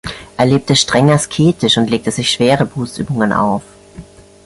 Er lebte streng asketisch und legte sich schwere Bußübungen auf.